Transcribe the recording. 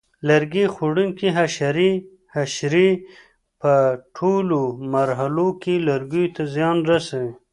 لرګي خوړونکي حشرې: حشرې په ټولو مرحلو کې لرګیو ته زیان رسوي.